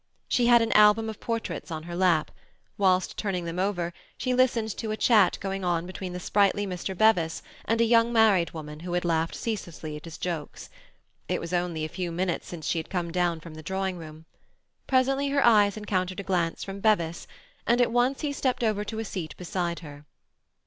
She had an album of portraits on her lap; whilst turning them over, she listened to a chat going on between the sprightly Mr. Bevis and a young married woman who laughed ceaselessly at his jokes. It was only a few minutes since she had come down from the drawing room. Presently her eyes encountered a glance from Bevis, and at once he stepped over to a seat beside her.